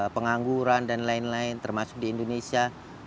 pengangguran dan lain lain termasuk di indonesia